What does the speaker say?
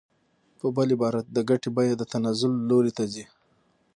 په بل عبارت د ګټې بیه د تنزل لوري ته ځي